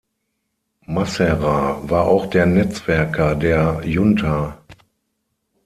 Massera war auch der Netzwerker der Junta.